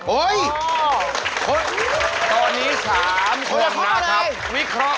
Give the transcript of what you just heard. วิเคราะห์ไม่เหมือนกันเลย